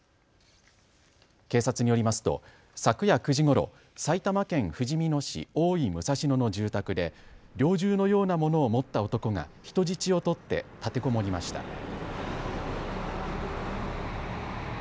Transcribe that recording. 警察によりますと昨夜９時ごろ、埼玉県ふじみ野市大井武蔵野の住宅で猟銃のようなものを持った男が人質を取って立てこもりました。